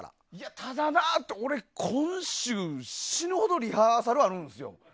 ただ俺、今週死ぬほどリハーサルあるんですよ。